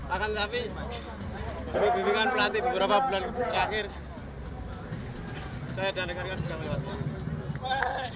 akan tetapi dari bimbingan pelatih beberapa bulan terakhir saya dan rekan rekan bisa lewat